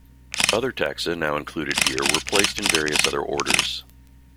Other taxa now included here were placed in various other orders.